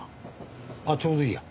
あっちょうどいいや。